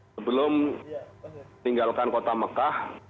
sebelum tinggalkan kota mekah